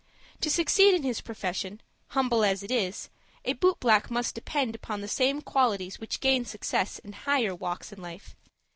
To succeed in his profession, humble as it is, a boot black must depend upon the same qualities which gain success in higher walks in life.